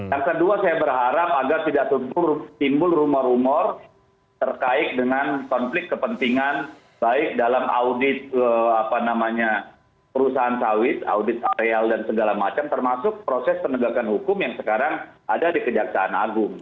yang kedua saya berharap agar tidak seluruh timbul rumor rumor terkait dengan konflik kepentingan baik dalam audit perusahaan sawit audit areal dan segala macam termasuk proses penegakan hukum yang sekarang ada di kejaksaan agung